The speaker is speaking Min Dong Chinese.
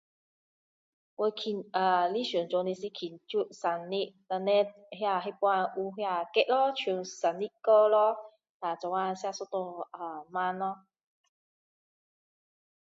我印呃印象中是庆祝生日然后叻那个时候有蛋糕咯唱生日歌咯一起吃一餐晚餐咯